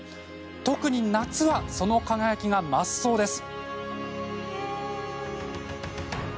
特に夏はその輝きが増すそうです。